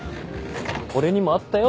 俺にもあったよ